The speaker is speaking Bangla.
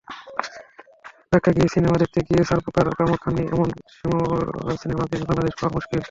প্রেক্ষাগৃহে সিনেমা দেখতে গিয়ে ছারপোকার কামড় খাননি এমন সিনেমাপ্রেমী বাংলাদেশে পাওয়া মুশকিল।